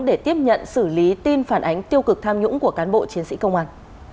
để tiếp nhận xử lý tin phản ánh tiêu cực tham nhũng của cán bộ chiến sĩ công an